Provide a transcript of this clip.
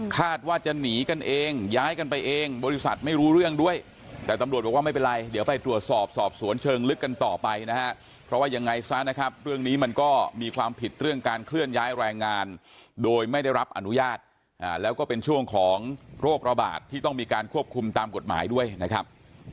กันต่อไปนะครับเพราะว่ายังไงซะนะครับเรื่องนี้มันก็มีความผิดเรื่องการเคลื่อนย้ายแรงงานโดยไม่ได้รับอนุญาตแล้วก็เป็นช่วงของโรคระบาดที่ต้องมีการควบคุมตามกฎหมายด้วยนะครับ